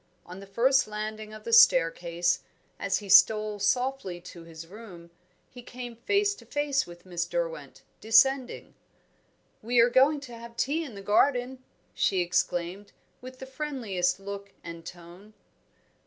On the first landing of the staircase, as he stole softly to his room, he came face to face with Miss Derwent, descending. "We are going to have tea in the garden," she exclaimed, with the friendliest look and tone.